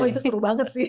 oh itu seru banget sih